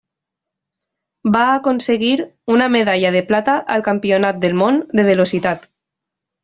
Va aconseguir una medalla de plata al Campionat del món de velocitat.